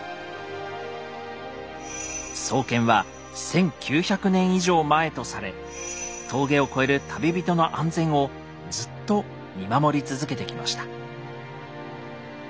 創建は１，９００年以上前とされ峠を越える旅人の安全をずっと見守り続けてきました。